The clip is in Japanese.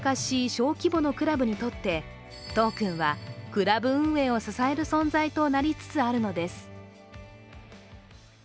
小規模のクラブにとってトークンは、クラブ運営を支える存在となりつつあるのです。